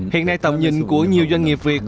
hiện nay tầm nhìn của nhiều doanh nghiệp việt